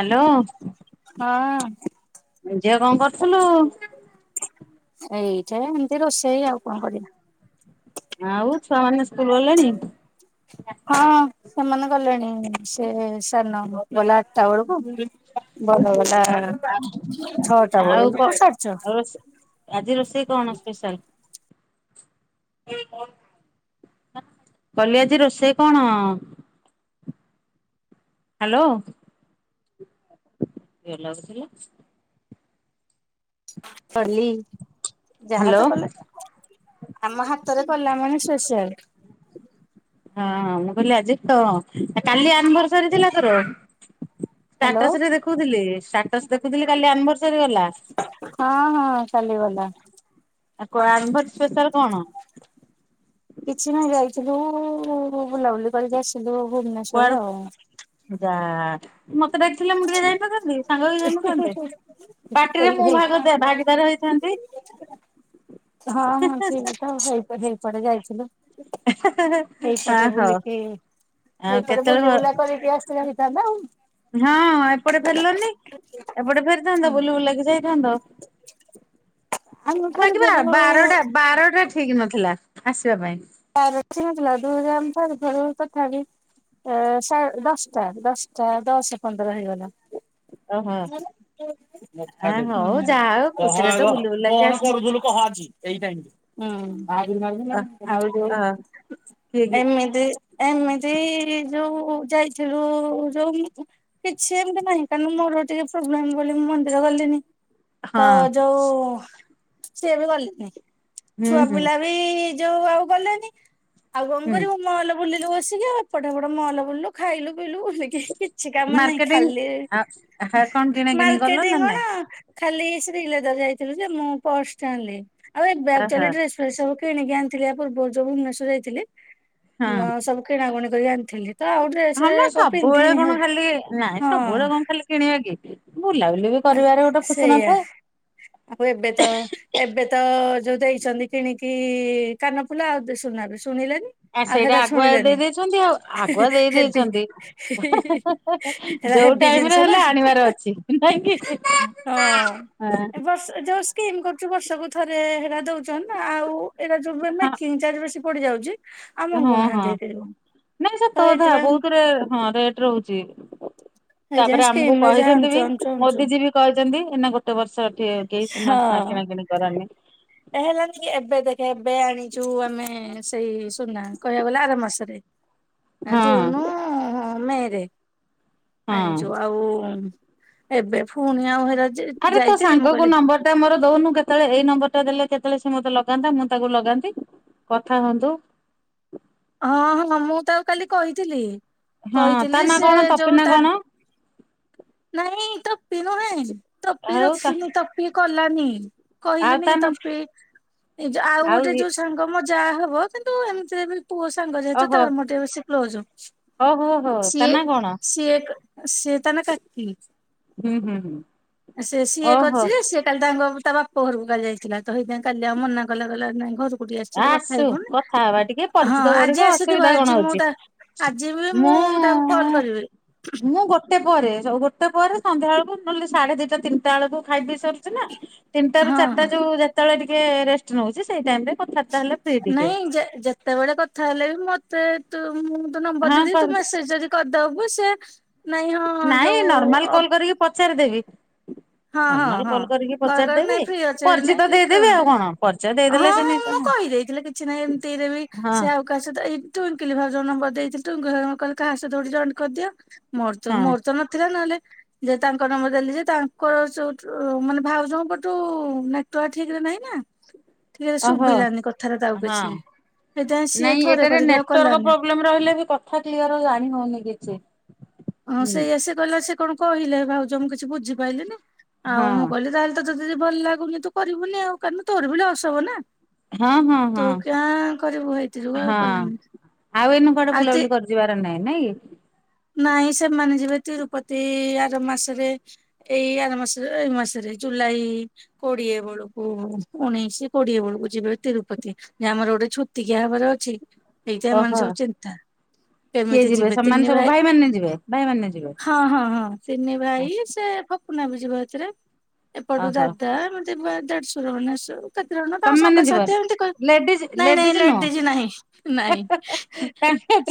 Hello ହଁ ଝିଅ କଣ କରୁଥିଲୁ ଏଇଟା ଏମିତି ରୋଷେଇ ଆଉ କଣ କରିବା ଆଉ ଛୁଆ ମାନେ ସ୍କୁଲ ଗଲେଣି ହଁ ସେମାନେ ଗଲେଣି ସେ ସାନ ଗଲା ଆଠଟା ବେଳକୁ ବଡ଼ ବଲା ଛଅଟା ବ କ ସାରଛ ରୋଷେ ଆଜି ରୋଷେଇ କଣ ସ୍ପେଶାଲ? କଲି ଆଜି ରୋଷେଇ କଣ? ହ୍ୟାଲୋ କିଏ ଲାଗୁଥିଲା? ସଲି ଯାହା ତ କଲେ ଆମ ହାତରେ ଗଲା ମାନେ ସ୍ପେଶାଲ ହଁ ମୁଁ କହିଲି ଆଜି ତ କାଲି ଆନଭରସରୀ ଥିଲା ତୋର? ହ୍ୟାଲୋ ଷ୍ଟାଟସ ରେ ଦେଖୁଥିଲି ଷ୍ଟାଟସ ଦେଖୁଥିଲି କାଲି ଆନିଭର୍ସରୀ ଗଲା। ହଁ ହଁ ଚାଲିଗଲା ଆଉ କଳାଳି ସ୍ପେଶାଲ କଣ? କିଛି ନହି ଯାଇଥିଲୁ ଉ ବୁଲାବୁଲି କରିକି ଆସିି ଥିଲୁ ଭୁବନେଶ୍ୱରରେ କୁଆଡୁ ଆଉ ଯା ମତେ ଡାକିଥିଲେ ମୁଁ ଟିକେ ଯାଇ ନଥାନ୍ତନ୍ତି ସାଙ୍ଗ ହୋଇ ଯାଇନଥାନ୍ତେ। ପାାର୍ଟିରେ ଏଇ ମୁଁ ହେଇ ଭାଗଦେ ଭାଗିଦାର ହେଇଥାନ୍ତି ହଁ ହଁ ଠିକ୍ ତ ହେଇ ହେଇପଟେ ଯାଇଥିଲୁ ଆ ଏଇପଟେ ହଉ ବୁଲିକି ଆଉ ସେଇପଟେ ବୁଲି କେତେବେଳେ ବୁଲା କରିକି ଆସିଥିଲେ ହେଇଥାନ୍ତା ଆଉ ହଁ ଏପଟେ ଫେରିଲନି ଏପଟେ ଫେରିଥାନ୍ତ ବୁଲି ବୁଲାକି ଯାଇଥାନ୍ତ ହ ଆମ ଘର ଟକିବା ଘରୁ ନା ବାରଟା ବାରଟା ଠିକ ନଥିଲା ଆସିବା ପାଇଁ ତଛିଥିଲା ଦୁ ଯାର ତଥା ବିି ଦଶଟା ଦଶଟା ଦଶ ପନ୍ଦର ହେଇଗଲା ଓହୋ ମ ଆ ହଉ ଯାହା ହଉ କହ ଖୁସିରେ ତ ଆଗ ବୁଲି ବୁଲାକି କଣ ଆସିଲି କରୁଥିଲୁ କହା ଏଇ ଟାଇମ ହୁ ଅ ଆଉ ଅ କିଏ କି ଏମିତି ଏମିତି ଯୋଉ ଯାଇଥିଲୁ ଯୋଉ କିଛି ଏମିତି ନାହିଁ କାରଣ ମୋର ଟିକେ ପ୍ରୋବ୍ଲେମ ବୋଲି ମୁଁ ମନ୍ଦିର ଗଲିନି ହଁ ତ ଯୋଉ ସିଏ ବି ଗଲେଣିି ହୁଁ ଛୁଆ ହୁଁ ପିଲା ସେଇ ଯୋଉ ଆଉ ଗଲେନି ଆଉ କଣ ହୁଁ କରିବୁ ମହଲ ବୁଲିଲୁ ବସିକି ଆଉ ଏପଟେପଟ ମହଲ ବୁଲିଲୁ ଖାଇଲୁ ପିଇଲୁ କିଛି କାମ ନାହିଁ ମାର୍କେଟିଂ ଖାଲି ଆ ହା କଣ କିଣା କିିଣି କଲ ମାର୍କେଟ ନା ନାଇଁ ଗଣ ଖାଲି ଶ୍ରୀଲେଦର ଯାଇଥିଲୁ ଯେ ମୁଁ ପ୍ରସ ଟା ଆନିଲି ଏ ଓହୋ ଵ୍ୟ ଗ ଡେ ସବୁ କିଣିକି ଆଣିଥିଲି ଆ ପ୍ରୁବରୁ ଯୋଉ ଭୁବନେଶ୍ୱର ଯାଇଥିଲି ମ ହଁ। ସବୁ କିଣାକୁଣି କରି ଆଣିଥିଲି ତ ଆଉ ଡ୍ରେସ ହଁ ମ କଣ ସବୁବେଳେ ପିନ୍ଧିନି କଣ ହେରା ଖାଲି ନାଇଁ ସବୁବେଳେ ହଁ କଣ ଖାଲି କିଣିବା କି ବୁଲାବୁଲି ବି କରିବାରେ ଗୋଟେ ଖୁସି ସେଇଆ ନଥାଏ ଆଉ ଏବେ ତ ଏବେ ତ ଯୋଉ ଦେଇଛନ୍ତି କିଣିକି କାନଫୁଲ ଆଉ ଶୁନାଟେ ଶୁଣିଲେନି ଆ ଆଗ ସେଇଟା ତା ଆଗୁଆ ଦେଇ ଶୁଣିଲନି ଦେଇଛନ୍ତି ଆଉ ଆଗୁଆ ଦେଇ ହେବି ଦେଇଛନ୍ତି। ହୀ ହି ହି ହେରା ଯୋଉ ହେବି ଟାଇମ ରେ ଜିନଷ ନା ହେଲେ ଆଣିବାର ଅଛି ନାଇଁ କି? ହ ଏ ବର୍ଷ ଯୋଉ କିମ୍ କରୁଛୁ ବର୍ଷକୁୁ ଥରେ ହେରା ଦଉଛନ୍ତି ନା ଆଉ ଏଟା ଯୋଉ ମେମେ ମେକିଂ ଚାର୍ଜ ବେଶୀ ପଡିଯାଉଛି ହଁ ହଁ ନାଇଁ ସେ ତ ଅଧା ବହୁତରେ ହଁ ରେଟ ରହୁଛି ଏଇଥିପାଇଁ ତାପରେ ସ୍କିମ୍ ଆମକୁ ରେ ଯାହା କହିଛନ୍ତି ଆଣୁଛୁ ବି ଆଣୁଛୁ ଆଣୁଛୁ ମୋଦି ଯିବି କହିଛନ୍ତି ଏ ନା ଗୋଟେ ବର୍ଷଠ କେହି ସୁନା ହଁ। କିଣା କିିଣି କରନି ଏ ହେଲାନି କି ଏବେ ଦେଖେ ଏବେ ଆଣିଛୁ ଆମେ ସେଇ ସୁନା କହିବାକୁ ଗଲା ଆର ମାସରେ [inaudible] ଆ ଜୁନ ମେ ରେ ହଁ। ଆଣିଛୁ ଆଉ ଏବେ ଫୁଣି ଆଉହେରା ଯେ ଆରେ ତୋ ସାଙ୍ଗ କୁ ନମ୍ବର ସେ ମୋର ଦଉନୁ କେତେବେଳେ ଏଇ ନମ୍ବର ଟା ଦେଲେ କେତେବେଳେ ସେ ମତେ ଲଗନ୍ତା ମୁଁ ତାକୁ ଲଗାନ୍ତି। କଥା ହୁଅନ୍ତୁ। ହଁ ହଁ ମୁଁ ତ ଆଉ କାଲି କହିଥିଲି। ହଁ ତା କହିଥିଲି ଯେ ନା ସେ କଣ ତପି ଯୋଉ ନା ତା କଣ? ନାଇଁ ଟପି ନୁହେଁ ଟପି ଆଉ ତା ରଖିନି ଟପି କଲାନି। ଆଉ କହିଲେନି ତା କି ନା ତପି ଏଉ ଆଉ ଗୋଟେ ଯୋଉ ସାଙ୍ଗ ମୋ ଜା ହବ କିନ୍ତୁ ଏମିତିରେ ବି ପୁଅ ସାଙ୍ଗ ଯେହେତୁ ଓହୋ ତାର ମେର ଟିକେ ବେଶୀ କ୍ଲୋଜ ହଉଚି ଓହୋ ହୋ ତା ସିଏ ନା କଣ? ସିଏ ସିଏ ତାହାଲେ କାଟତି ହୁଁ ହୁଁ ହୁଁ। ସେ ସିଏ ଓହୋ କରିଛି ସିଏ କାଲି ତାଙ୍କ ତା ବାପା ଘରକୁ କାଲି ଯାଇଥିଲା ତ ହେଇଯ କାଲି ଆଉ ମନା କଲାଗଲା ନାଇଁ ଘର ଆସୁ କଥା ହବା ଟିକେ। ହଁ ପରିଚିତ ଆଜି ବଢିବ ଆସିଥିବ ଅସୁବିଧା କଣ ଆଜି ମୁଁ ହଉଛି ତା ଆଜି ବି ତାକୁ କଲ୍ ମୁଁ କରିବି ମୁଁ ଗୋ ଗୋଟେ ପରେ ସ ଗୋଟେ ପରେ ସନ୍ଧ୍ୟା ବେଳକୁ ନହେଲେ ସାଢେ ଦିଟା ତିନିଟା ବେଳକୁ ଖାଇ ବିି ସରିଛି ନା। ତିନିଟ ରୁ ହଁ। ଚାରିଟା ଯୋଉ ଯେତେବେଳେ ଟିକେ ରେଷ୍ଟ ନଉଛି ସେଇ ଟାଇମ ରେ କଥାବାର୍ତ୍ତା ହେଲେ ଫ୍ରି ଟିକେ। ନାଇଁ ଯେତେବେଳେ କଥା ହେଲେ ବି ମତେ ତୁ ମୁଁ ତ ନମ୍ବର ହଁ ଦେଇଦି କହ ତୁ ମେସେଜ ଯଦି କରିଦେବୁ ସେ ନାଇଁ ହଁ। ନାଇଁ ଯୋଉ ନର୍ମାଲ ଅ କଲ କରିକି ପଚାରିଦେବି। ହଁ ହଁ ହମ ହଁ କଲ କରିକି କଲ୍ କରେ ନାଇଁ ପଚାରିଦେବି ଫ୍ରି ଅଛି ପରିଚୟ ନାଇଁ ତ କି ଦେଇଦେବି ଆଉ କଣ ପରିଚୟ ହଁ ଦେଇଦେଲେ ସେ ହଁ ନେଇ ମୁଁ କହିଦେଇଥିଲି କିଛି ନାହିଁ ଏମିତି ରେ ବି ସେ ଆଉ କାହା ସତଇ ତ୍ଟୁଙ୍କଲି ଭାଉଜ ନବର୍ ଦେଇଥିଲି ତ୍ଟୁଙ୍କଲି କହିଲେ କାହା ସହିତ ଜଏଣ୍ଟ କରିଦିଅ। ମୋର ତ ହଁ ମୋର ତ ନଥିଲା ନହେଲେ ଯେ ତାଙ୍କ ନମ୍ବର ଦେଲି ଯେ [inaudible] ମାନେ ଭାଉଜଙ୍କୁ ନେଟୱର୍କ ଠିକ ରେ ନାହିଁ ନା। ଟିକେ ଓହୋ ଶୁଭିଲାନି କଥାରେ ତାଉ ହଁ। କିଛି ସେଇଥିପାଇଁ ନାଇଁ ସିଏ ଥରେ ଏଟାରେ କରିକି ଆଉ ନେଟୱାର୍କ କଲାନି। ପ୍ରୋବ୍ଲେମ ରହିଲେ ବି କଥା କ୍ଲିଅର ଜାଣି ହଉନି କିଛି। ହଁ ହୁଁ ସେଇ ଏସି ଗିଲା ସେ କଣ କହିଲେ ଭାଉଜ ମୁଁ କିଛି ବୁଝିପାରଲିିନି। ହଁ ଆଉ ମୁଁ କହିଲି ତାହେଲେ ତତେ ତଦ ଯଦି ଭଲ ଲାଗୁନି ତୁ କରିବୁନି ଆଉ କାର ତୋର ଭଳି ଅସ ହବ ନା। ହଁ ହଁ ତୁ ହଁ କାଁ କରିବୁ ହେଇଥି ଯୋଗୁ ହଁ ଆଉ କଲିନି ଆଉ ଏଇନେ କୁଆଡେ ଆଉ ତି ବୁଲାବୁଲି କରି ଯିବାର ନାଇଁ ନାଇଁ। ନାଇଁ ସେମାନେ ଯିବେ ତିରୁପତି ଆର ମାସରେ। ଏଇ ଆର ମାସ ଏଇ ମାସରେ ଜୁଲାଇ କୋଡିଏ ବେଳକୁ ଉଣେଇଶି କୋଡିଏ ବେଳକୁ ଯିବେ ତିରୁପତି। ଯେ ଆମର ଗୋଟେ ଛୁତିିକିଆ ଭାବରେ ଅଛି। ସେଇଥିପାଇଁ ଏମାନେ ଓହୋ ସବୁ ଚିନ୍ତା। କିଏ କେମିତି ଯିବେ ସେମାନେ ତିନି ସବୁ ଭାଇ ଭାଇମାନେେ ଯିବେ ଭାଇମାନେ ଯିବେ। ହଁ ହଁ ହଁ ତିିନି ଭାଇ ସେ ଫପୁନା ବି ଯିବ ଏଥିରେ ଏପଟୁ ଓହୋ ଦାଦା ବା ଦେଢ଼ଶ ମାନେ ଏଇ ସବୁ। ର ତାଙ୍କ ତମେ ମାନେ ଯିବନି। ସାଙ୍ଗସଥି ଏମତି ଲେଡିଜ ନାଇଁ ନାଇଁ ଲେଡିଜ ଲେଟ ଦେଇଛି ନହିଁ ନାଇଁ।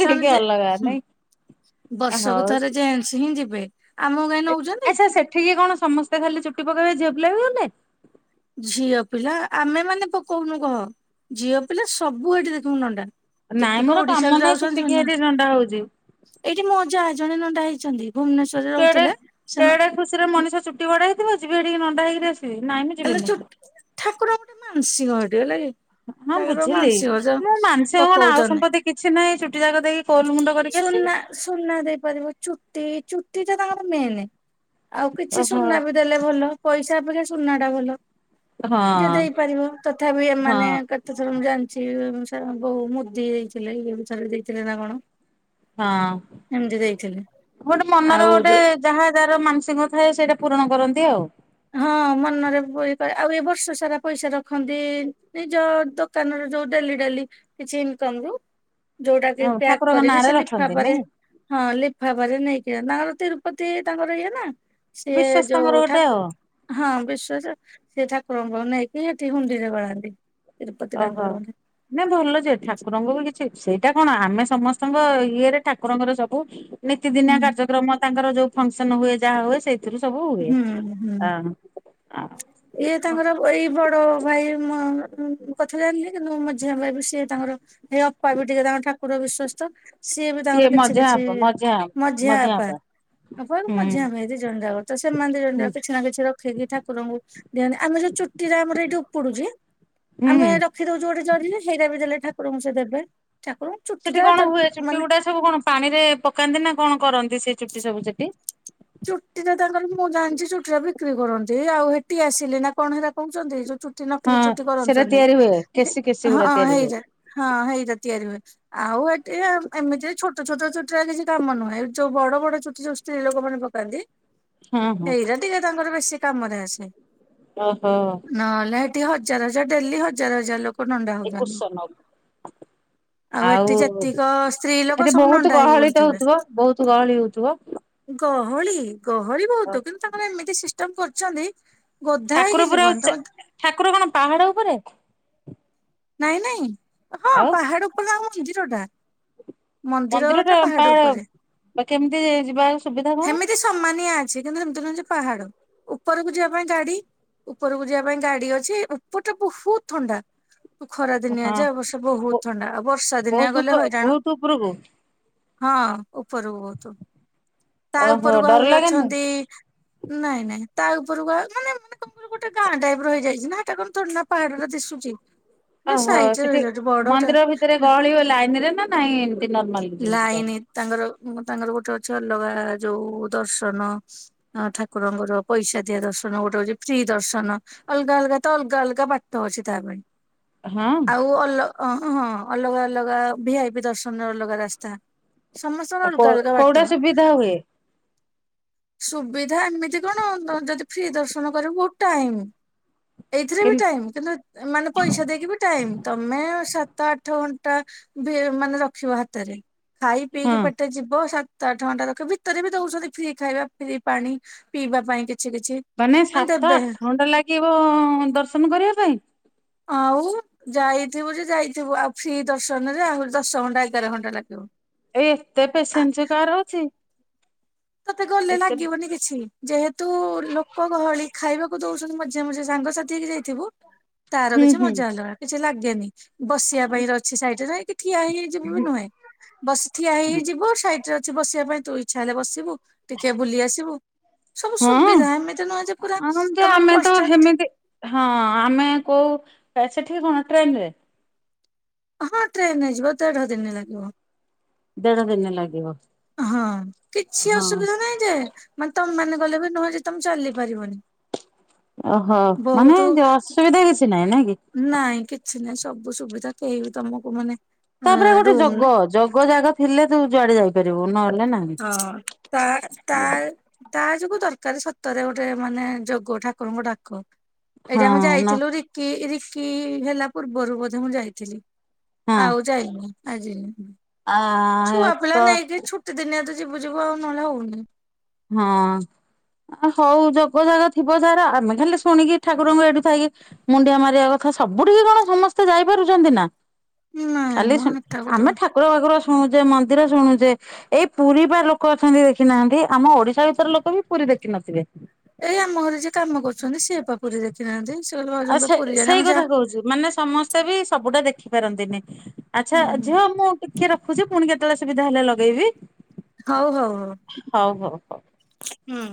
ସେମାନେ ଯେ ଅଲଗା ନାଇଁ। ବର୍ଷକୁ ହଉ। ଥରେ ଜେଣ୍ଟସ ହିଁ ଯିବେ ଆମକୁ କାଇହିଁ ନଉଛନ୍ତି। ଆଚ୍ଛା ସେଠିକି କଣ ସମସ୍ତେ ଖାଲି ଚୁଟି ପକେଇବା ଝିଅ ପୁଲା ବି ଗଲେ। ଝିଅ ପିଲା ଆମେ ମାନେ ପକଉନୁ କହ ଝିଅ ପିଲା ସବୁ ଏଇଠି ଦେଖିବୁ ନଣ୍ଡା। ନାଇଁ ଯେତିକି ମୋର ଓଡିଶାରୁ କାମ ନାହିଁ ଯାଉଛନ୍ତି ସେଠିକି ହେଠି ସେମାନେ କିଏ ନଣ୍ଡା ହଉଛି। ଏଇଠି ମଜା ଜଣେ ନଣ୍ଡା ହେଇଛନ୍ତି। ଭୁବନେଶ୍ଵରରେ କେଡେ ରହୁଥିଲେ ସେ କେଡେ ଖୁସି ରେ ମଣିଷ ଚୁଟି ବଡା ହେଇଥିବ ଯିବି ଏଠିକି ନଣ୍ଡା ହେଇକି ଆସିବି ନାଇଁ। ଯିବିନି। ଠାକୁରଟେ ମାନସିିଂଡଲ ହେଲେ କି ହଁ ଠାକୁର ବୁଝିଲି ମାନସିକ ମୁଁ ମାଂସ କଣ ଆଉ ପକଉଛନ୍ତି ସମ୍ପତ୍ତି କିଛି ନାହିଁ ଚୁଟି ଯାକ ଦେଇକି କୋଲ ମୁଣ୍ଡ କରିକି ଆସିବି। ସୁନା ସୁନା ଦେଇପାରିବ ଚୁଟି ଚୁଟି ଟା ତାଙ୍କର ମେନ୍। ଆଉ କିଛି ଓହୋ ସୁନା ବି ଦେଲେ ଭଲ ପଇସା ଅପେକ୍ଷା ସୁନା ଟା ଭଲ। ହଁ ଯ ଦେଇ ହେଇପାରିବ ତଥାପି ହଁ ଏମାନେ ଏତେଥର ମୁଁ ଜାଣିଛି ବୋଉ ମୁଦି ଦେଇଥିଲେ [unintelligible] ଦେଇଥିଲେ ନା କଣ। ହଁ ଏମିତି ଦେଇଥିଲେ ଗୋଟେ ମନର ଆଉ ଗୋଟେ ଯୋଉ ଯାହା ଯାହାର ମାନସିକ ଥାଏ ସେଇଟା ପୂରଣ କରନ୍ତି ଆଉ। ହଁ ମନରେ ଆଉ ଏ ବର୍ଷ ସାରା ପଇସା ରଖନ୍ତି ନିଜ ଦୋକାନ ଯୋଉ ଡେଲି ଡେଲି କିଛିି ଇନକମ୍ ରୁ ଯୋଉଟା କି ଆଉ ପ୍ୟାକ୍ ଠାକୁରଙ୍କ କରିକି ନାଁରେ ସେ ରଖନ୍ତି ଲିଫାପା ନାଇଁ ରେ ହଁ ଲିଫାପା ରେ ନେଇକି ତାଙ୍କର ତିରୁପତି ତାଙ୍କର ଇଏ ନା କି ସିଏ ବିଶ୍ଵାସ ଯୋଉ ତାଙ୍କର ଗୋଟେ ଆଉ। ଠାକୁ ହଁ ବିଶ୍ୱାସ ସେଏ ଠାକୁରଙ୍କ ନେଇକି ସେଠି ହୁଣ୍ଡିରେ ଗଳାନ୍ତି। ତିରୁପତି ଅ ତାଙ୍କର ହ। ଗଲେ ନାଁ ଭଲଯେ ଠାକୁରଙ୍କୁ ବି କିଛି ସେଇଟା କଣ ଆମେ ସମସ୍ତଙ୍କ ଇଏରେ ଠାକୁରଙ୍କର ସବୁ ହୁଁ ନିତିଦିନିଆ କାର୍ଯ୍ୟକ୍ରମ ତାଙ୍କର ଯୋଉ ଫଙ୍କସନ ହୁଏ ଯାହା ହୁଏ ସେଇ ସେଥିରୁ ସବୁ ହୁଏ ହୁଁ। ହୁଁ ଆଁ ଆ। ଇଏ ତାଙ୍କର ଏଇ ବଡ ଭାଇ କଥା ଜାଣିନି କିନ୍ତୁ ମଝିଆ ଭାଇ ବି ସିଏ ତାଙ୍କର ହେ ଅପା ବି ଟିକେ ତାଙ୍କର ଠାକୁର ବିଶ୍ଵସ ତ। ସିଏ ବି କିଏ ତାଙ୍କର କିଛି ମଝିଆ କିଛି ବାପା ମଝିଆ ମଝିଆ ଅପା ଅପା ହୁଁ। ମଝିଆ ଭାଇ ଦି ଜଣ ଯାକ। ତ ସେମାନେ ଦି ଜଣ ହୁଁ ଯାକ କିଛି ନା କିଛି ରଖିକି ଠାକୁରଙ୍କୁ ଦିଅନ୍ତି, ଆମେ ଯୋଉ ଚୁଟି ରେ ଆମର ଏଇଠି ଉପୁଡୁଛି ହୁଁ ଆମେ ହୁଁ। ରଖିଦଉଛୁ ଗୋଟେ ଜରିରେ ସେଇଟା ବି ଦେଲେ ଠାକୁରଙ୍କୁ ସେ ଦେବେ ଠାକୁର ସେଠି କଣ ହୁଏ ଚୁଟି ଗୁଡା ସବୁ କଣ ପାଣି ରେ ପକାନ୍ତି ନା କଣ କରନ୍ତି ସେ ଚୁଟି ସବୁ ସେଠି? ଚୁଟି ଟା ତାଙ୍କର ମୁଁ ଜାଣିଛି ଚୁଟି ରା ବିକ୍ରି କରନ୍ତି ଆଉ ହେଠି ଆସିଲି ନା କଣ ହେରା କହୁଛନ୍ତି ଏଯୋଉ ଚୁ ଚ ନକଲି ହଁ ଚୁଟି ସେଟା କରୁଛନ୍ତି ତିଆରି ହୁଏ କେଶୀ କେଶୀ ହଁ ଗୁରା ତିଆରି ହୁଏ। ହେଇରା ହଁ ହେଇରା ତିଆରି ହୁଏ। ଆଉ ଏଠି ଏମିତି ଛୋଟ ଛୋଟ ଚୁଟିର କିଛି କାମ ନୁହେଁଇ ଯଉ ବଡ ବଡ ଚୁଟି ଯୋ ସ୍ତ୍ରୀ ଲୋକମାନେ ପ କାନ୍ତି, ହଁ ହଁ ସେଇରା ଟିକେ ତାଙ୍କର ବେଶୀ କାମରେ ଅସେ। ଓହୋ। ନହଲେ ଏଠି ହଜାର ହଜାର ଡେଲି ହଜାର ହଜାର ଲୋକ ନଣ୍ଡା ଏ ହଉଛନ୍ତି। କୁସନ [inaudible] ଏଠି ଆଉ ଯେତିକ ସ୍ତ୍ରୀ ଲୋକ ଏଠି ସବୁ ବହୁତ ନଣ୍ଡା ହେଇକି ଗହଳି ତ ବୁଲୁଥିବେ। ହଉଥିବ ବହୁତ ଗହଳି ହଉଥିବ। ଗହଳି ଗହଳି ବହୁତ କିନ୍ତୁ ତାଙ୍କର ଏମିତି ସିଷ୍ଟମ କରୁଛନ୍ତି। ଠାକୁର ପୁରା ଆଉ ଠାକୁର କଣ ପାହାଡ ଉପରେ। ନାଇଁ ନାଇଁ ହଁ ଆଉ ପାହାଡ ଉପରେ ଆାମ ମନ୍ଦିର ଟା। ମନ୍ଦିର ଟା ପା ବା କେମିତି ଯିବା ସୁବିଧା କଣ? ସେମିତି ସମାନିଆ ଅଛି କିନ୍ତୁ ଏମିତି ନୁହେଁ ଯେ ପାହାଡ ଉପରକୁ ଯିବା ପାଇଁ ଗାଡି ଉପରକୁ ଯିବା ପାଇଁ ଗାଡି ଅଛି ଉପରଟା ବହୁତ ଥଣ୍ଡା। ତୁ ଖରା ଦିନିଆ ହଁ। ଯା ବର୍ଷେ ବହୁତ ଥଣ୍ଡା ଆଉ ବର୍ଷା ଦିନିଆ ବହୁତ ଉପ ଗଲେ ହଇରାଣ। ବହୁତ ଉପରକୁ ହଁ ଉପରକୁ ବହୁତ ତା ଓହୋ ଉପରକୁ ଡର ଆହୁରି ଲାଗେନି ଅଛନ୍ତି। ନାଇଁ ନାଇଁ ତା ଉପରକୁ ଆଉ ମାନେ ଗୋଟେ ଗାଁ ଟାଇପର ହେଇ ଯାଇଛି ନା ସେଟା କଣ ଥୋଡିନା କଣ ପାହାଡ ଟା ଦିଶୁଛି। ହେଟା ଓହୋ ସାଇଡ ରେ ସେଠି ରହିଯାଉଛି ବଡ ଟା ମନ୍ଦିର ଭିତରେ ଗହଳିି ହୁଏ ଲାଇନ ରେ ନା ନାଇଁ ଏମତି ନର୍ମାଲ ଯେମିତି ଲାଇନ ପାରି। ତାଙ୍କର ତାଙ୍କର ଗୋଟେ ଅଛି ଅଲଗା ଯୋଉ ଦର୍ଶନ। ହଁ ଠାକୁରଙ୍କର ପଇସା ଦିଆ ଦର୍ଶନ ଗୋଟେ ହଉଛି ଫ୍ରି ଦର୍ଶନ। ଅଲଗା ଅଲଗା ତ ଅଲଗା ଅଲଗା ବାଟ ଅଛି ତା ପାଇଁ। ହଁ ଆଉ ଅଲ ହଁ ଅଲଗା ଅଲଗା ଭିଆଇପି ଦର୍ଶନ ର ଅଲଗା ରାସ୍ତା। ସମସ୍ତଙ୍କ ର ଆଉ କୋ ଅଲଗା ଅଲଗା କୋଉଟା ବାଟ। ସୁବିଧା ହୁଏ ସୁବିଧା ଏମିତି କଣ ଯଦି ଫ୍ରି ଦର୍ଶନ କରିବ ବହୁତ ଟାଇମ। ଏଇଥିରେ ବି କେମ ଟାଇମ କିନ୍ତୁ ମାନେ ପଇସା ଦେଇକି ବି ଟାଇମ ତମେ ସାତ ଆଠ ଘଣ୍ଟା ମାନେ ରଖିବ ହାତରେ। ଖାଇ ହଁ ପିଇକି ପେଟେ ଯିବ। ସାତ ଆଠ ଘଣ୍ଟା ରଖ ଭିତରେ ବି ଦଉଛନ୍ତି ଫ୍ରି ଖାଇବା ଫ୍ରି ପାଣି ପିଇବା ପାଇଁ କିଛି କିଛି। ମାନେ ସାତ ଆଠ ଘଣ୍ଟା ଲାଗିବ ଦର୍ଶନ କରିବା ପାଇଁ? ଆଉ। ଯାଇଥିବୁ ଯେ ଯାଇଥିବୁ ଆଉ ଫ୍ରୀ ଦର୍ଶନରେ ଆହୁରି ଦଶ ଘଣ୍ଟା ଏଗାର ଘଣ୍ଟା ଲାଗିବ। ଏଇ ଏତେ ପେସେନ୍ସ କାର ଅଛି। ତତେ ଗଲେ ଏତେ ଲାଗିବନି କିଛି। ଯେହେତୁ ଲୋକ ଗହଳି ଖାଇବାକୁ ଦଉଛନ୍ତି ମଝେ ମଝେ ସାଙ୍ଗସାଥି ହେଇକି ଯାଇଥିବୁ। ତାର ହୁଁ କିଛି ହୁଁ ମଜା ଅଲଗାକିଛି ଲାଗେନି ବସିବା ପାଇଁ ର ଅଛି ସାଇଡରେ ନାଇଁ କି ଠିଆ ହେଇ। ଯିବୁ ବି ନୁହେଁ ବସି ଥିଆ ହେଇ ଯିବୁ ସାଇଡ ରେ ଅଛି ବସିବା ପାଇଁ ତୁ ଇଚ୍ଛା ହେଲେ ବସିବୁ। ଟିକେ ବୁଲି ଆସିବୁ ସବୁ ହଁ। ସୁବିଧା ଏମିତି ନୁହେଁ ଯେ ପୁରା ହଁ ଯେ ତମକୁ ଆମେ ବସ ତ ଷ୍ଟାଣ୍ଡ। ହେମିତି ହଁ ଆମେ କୋଉ ସେଠିକି କଣ ଟ୍ରେନ ରେ। ହଁ ଟ୍ରେନ ରେ ଯିବ ଦେଢ ଦିନ ଲାଗିବ। ଦେଢ ଦିନ ଲାଗିବ। ହଁ କିଛି ହଁ ଅସୁବିଧା ନାହିଁ ଯେ ମାନେ ତମ ମାନେ ଗଲେ ବି ନୁହଁ ଯେ ତମେ ଚାଲି ପାରିବନି। ଓହୋ ମାନେ ବହୁତ ଅସୁବିଧା କିଛି ନାହିଁ ନାଇଁ କି। ନାଇଁ କିଛି ନାଇଁ ସବୁ ସୁବିଧା କେହି ବି ତମକୁ ମାନେ ତାପରେ ଗୋଟେ ରୁମ୍ ଯୋଗ ଜଗ ଜାଗ ଥିଲେ ତୁ ଯୁଆଡେ ଯାଇପାରିବୁ ନହେଲେ ନାହିଁ। ହଁ ତା ତା ତା ଯୋଗୁ ଦରକାର ସତରେ ଗୋଟେ ମାନେ ଯୋଗ ଠାକୁରଙ୍କୁ ଡାକ। ଏଇଠି ହଁ ଆମେ ନ ଯାଇଥିଲୁ ରିକି ରିକି ହେଲା ପୂର୍ବରୁ ବୋଧେ ମୁଁ ଯାଇଥିଲି ହଁ ଆଉ। ଯାଇନି ଆଜି। ଆ ଛୁଆ ତ ପିଲା ନେଇକି ଛୁଟି ଦିନିଆ ତ ଯିବୁ ଯିବୁ ଆଉ ନହେଲେ ହଉନି। ହଁ। ହଉ ଯୋଗ ଜାଗ ଥିବ ଯାର ଆମେ ଖାଲି ଶୁଣିକି ଠାକୁରଙ୍କୁ ଏଇଠୁ ଥାଇକି ମୁଣ୍ଡିଆ ମାରିବା କଥା ସବୁଠିକି କଣ ସମସ୍ତେ ଯାଇପାରୁଛନ୍ତି ନା। ନାଇଁ ଖାଲି ମ ଶ ହେଟା ଗୋଟେ ଆମେ ଠା ଠାକୁର ବାକୁର ଶୁଣୁଛେ ମନ୍ଦିର ଶୁଣୁଛେ ଏଇ ପୁରୀ ବା ଲୋକ ଅଛନ୍ତି ଦେଖିନାହାନ୍ତି। ଆମ ଓଡିଶା ଭିତରେ ଲୋକ ବି ପୁରୀ ଦେଖିନଥିବେ। ଏଇ ଆମ ଘରେ ଯିଏ କାମ କରୁଛନ୍ତି ସିଏ ପା ପୁରୀ ଦେଖିନାହାନ୍ତି ସେ କହିଲେ ଭାଉଜ ଆଉ ମୁଁ ତ ସେ ପୁରୀ ଯାଏ ସେଇ ଆମର କଥା ଯାହା। ମାନେ ସମସ୍ତେ ବି ସବୁଟା ଦେଖିପାରନ୍ତିନି ଆଚ୍ଛା ହୁଁ ଝିଅ ମୁ ଦେଖି ରଖୁଛି ପୁଣି କେତେବେଳେ ସୁବିଧା ହେଲେ ଲଗେଇବି। ହଉ ହଉ ହଉ ହଉ ହଉ ହଉ। ହୁଁ।